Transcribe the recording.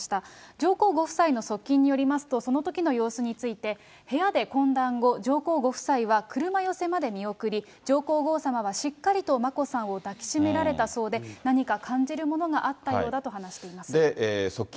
上皇ご夫妻の側近によりますと、そのときの様子について、部屋で懇談後、上皇ご夫妻は車寄せまで見送り、上皇后さまはしっかりと眞子さんを抱きしめられたそうで、何か感じるものがあったようだと話しています。